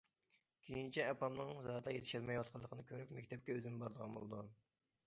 كېيىنچە، ئاپامنىڭ زادىلا يېتىشەلمەيۋاتقانلىقىنى كۆرۈپ، مەكتەپكە ئۆزۈم بارىدىغان بولدۇم.